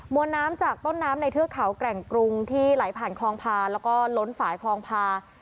วนน้ำจากต้นน้ำในเทือกเขาแกร่งกรุงที่ไหลผ่านคลองพาแล้วก็ล้นฝ่ายคลองพา